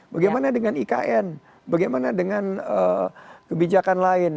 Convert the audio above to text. bagaimana dengan ikn bagaimana dengan kebijakan lain